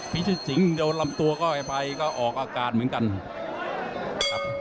พิชิตสิงห์โดนลำตัวก็ไปก็ออกอาการเหมือนกันครับ